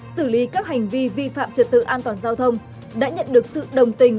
xử lý các hành vi vi phạm trật tự an toàn giao thông đã nhận được sự đồng tình